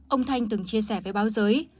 ông thanh từng chia sẻ với báo giới